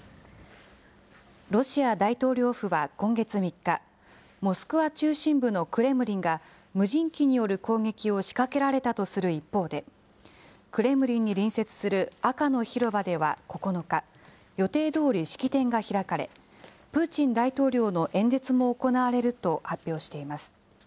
ロシア大統領府は今月３日、モスクワ中心部のクレムリンが無人機による攻撃を仕かけられたとする一方で、クレムリンに隣接する赤の広場では９日、予定どおり式典が開かれ、プーチン大統領の演説も行われると発表しています。